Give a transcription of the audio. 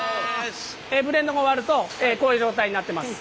ブレンドが終わるとこういう状態になってます。